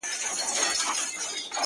سري وخت دی؛ ځان له دغه ښاره باسه؛